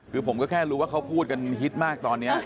คือผมก็แค่รู้ว่าเขาพูดกันฮิตมากตอนนี้